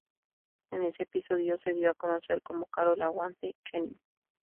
En ese episodio se dio a conocer como Carol ""Aguante"" Channing.